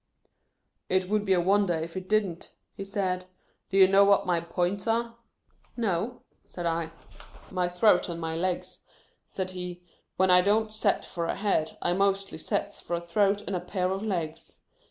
" It would be a wonder if it didn't," he said. " Do you know what my points are ?"" No," said I. " My throat and my legs," said he. " When I don't set for a head, I mostly sets for a throat and a pair of legs.